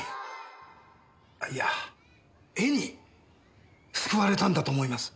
いや絵に救われたんだと思います！